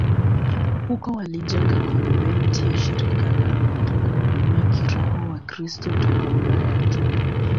Huko walijenga konventi ya shirika lao ili kuhudumia kiroho Wakristo toka Ulaya tu.